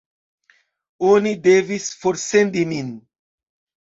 Oni devis forsendi min.